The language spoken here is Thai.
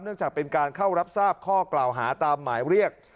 จากเป็นการเข้ารับทราบข้อกล่าวหาตามหมายเรียก